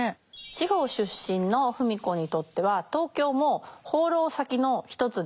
地方出身の芙美子にとっては東京も放浪先の一つです。